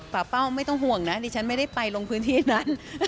เป้าไม่ต้องห่วงนะดิฉันไม่ได้ไปลงพื้นที่นั้น